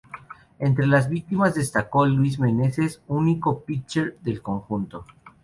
Entre las víctimas destacó Luis Meneses, único pitcher del conjunto.